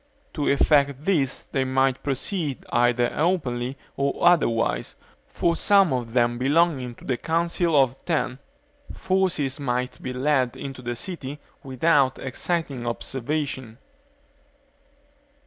To effect this they might proceed either openly or otherwise, for some of them belonging to the Council of Ten, forces might be led into the city without exciting observation.